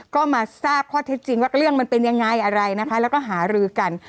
ก็มาทราบข้อเท็จจริงว่าเรื่องมันเป็นยังไงอะไรนะคะแล้วก็หารือกัน